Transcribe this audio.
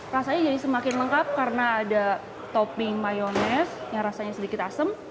rasanya jadi semakin lengkap karena ada topping mayonese yang rasanya sedikit asem